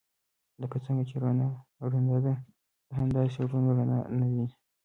لکه څنګه چې رڼا ړنده ده همداسې ړوند رڼا نه ويني.